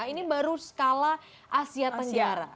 ini baru skala asia tenggara